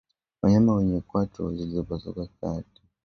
Wanyama wenye kwato zilizopasuka kati